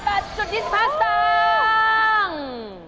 ๓๘บาทจุด๒๕สตางค์